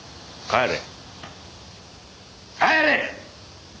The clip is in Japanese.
帰れ！